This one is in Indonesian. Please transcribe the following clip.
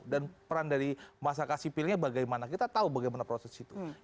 dan peran dari masyarakat sipilnya bagaimana kita tahu bagaimana proses itu